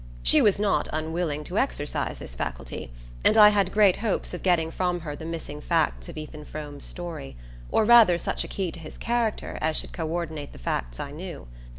She was not unwilling to exercise this faculty, and I had great hopes of getting from her the missing facts of Ethan Frome's story, or rather such a key to his character as should co ordinate the facts I knew.